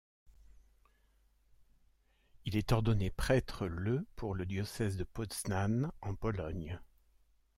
Il est ordonné prêtre le pour le diocèse de Poznań en Pologne.